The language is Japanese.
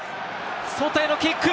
外へのキック。